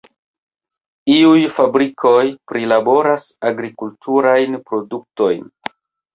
Iuj fabrikoj prilaboras agrikulturajn produktojn.